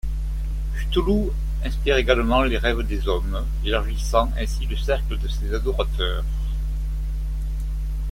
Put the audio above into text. Cthulhu inspire également les rêves des hommes, élargissant ainsi le cercle de ses adorateurs.